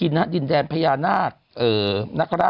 คนน่าจะต้องเยอะแล้วนะคะ